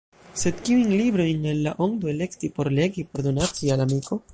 Sed kiujn librojn el la ondo elekti por legi, por donaci al amiko?